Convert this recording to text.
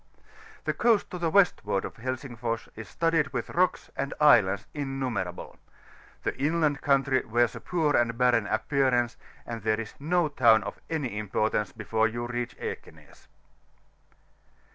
The coast to the westward of Helsingfors is studded with rocks and islands innu merable; the inland country wears a poor and barren appearance, and there is no town of any importance before you reach Ekenas.